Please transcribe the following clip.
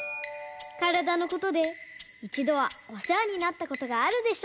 からだのことでいちどはおせわになったことがあるでしょう。